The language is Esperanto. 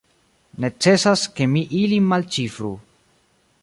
Necesas, ke mi ilin malĉifru.